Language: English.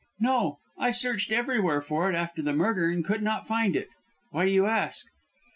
"No. I searched everywhere for it after the murder and could not find it. Why do you ask?"